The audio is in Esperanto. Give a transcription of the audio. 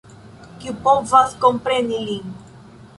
Kiu povas kompreni lin!